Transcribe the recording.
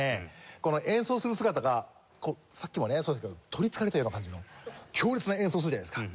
この演奏する姿がさっきもねそうですけど取りつかれたような感じの強烈な演奏をするじゃないですか。